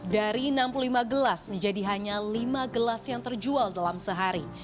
dari enam puluh lima gelas menjadi hanya lima gelas yang terjual dalam sehari